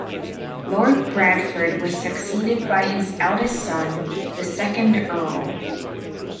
Lord Bradford was succeeded by his eldest son, the second Earl.